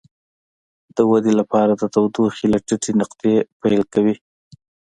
د ودې لپاره د تودوخې له ټیټې نقطې پیل کوي.